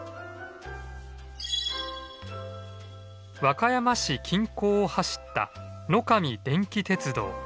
和歌山市近郊を走った野上電気鉄道。